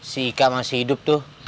si ika masih hidup tuh